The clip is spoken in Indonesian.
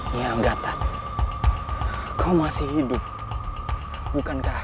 nyanggata kau masih hidup bukankah